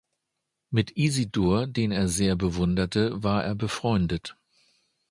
Mit Isidor, den er sehr bewunderte, war er befreundet.